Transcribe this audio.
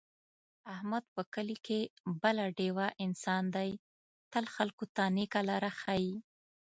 احمد په کلي کې بله ډېوه انسان دی، تل خلکو ته نېکه لاره ښي.